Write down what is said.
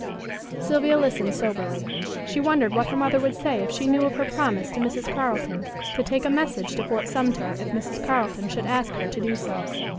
Sylvia listened soberly. She wondered what her mother would say if she knew of her promise to Mrs. Carleton to take a message to Fort Sumter if Mrs. Carleton should ask her to do so.